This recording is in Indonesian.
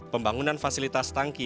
pembangunan fasilitas tangki